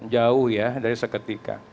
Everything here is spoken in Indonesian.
jauh ya dari seketika